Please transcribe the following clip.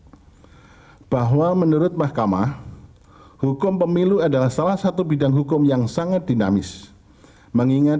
hai bahwa menurut mahkamah hukum pemilu adalah salah satu bidang hukum yang sangat dinamis mengingat